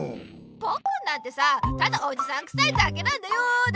ポッくんなんてさただオジサンくさいだけなんだよだ。